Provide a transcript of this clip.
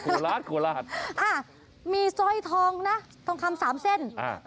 โขลาดโขลาดอ่ามีซ่อยทองนะทองคำสามเส้นอ่า